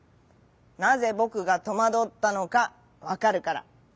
なぜぼくがとまどったのかわかるから」。